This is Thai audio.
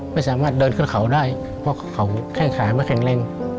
ไม่สามารถเดินขึ้นเขาได้เพราะเขาแข้งขาไม่แข็งแรง